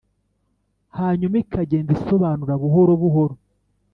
hanyuma ikagenda isobanura buhoro, buhoro